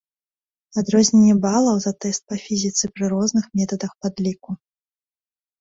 Адрозненне балаў за тэст па фізіцы пры розных метадах падліку.